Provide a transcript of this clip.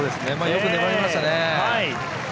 よく粘りましたね。